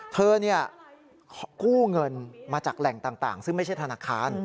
เธอกู้เงินมาจากแหล่งต่างซึ่งไม่ใช่ธนาคาร